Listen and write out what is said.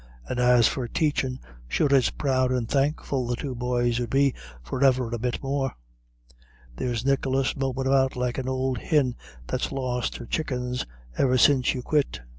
And as for taichin', sure it's proud and thankful the two boyos 'ud be for e'er a bit more. There's Nicholas mopin' about like an ould hin that's lost her chuckens iver since you quit."